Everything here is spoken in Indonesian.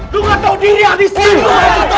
lo gak tau diri abis itu